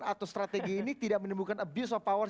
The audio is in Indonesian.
atau strategi ini tidak menimbulkan abuse of power